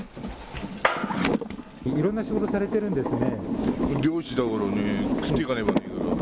いろんな仕事されてるんですね。